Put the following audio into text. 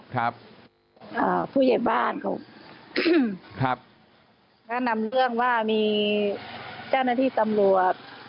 ครับอ่าผู้ใหญ่บ้านเขาครับแนะนำเรื่องว่ามีเจ้าหน้าที่ตำรวจ